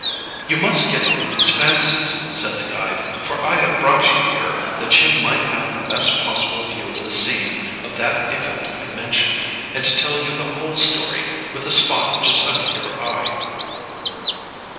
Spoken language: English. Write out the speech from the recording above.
"You must get over these fancies," said the guide; "for I have brought you here that you might have the best possible view of the scene of that event I mentioned, and to tell you the whole story with the spot just under your eye.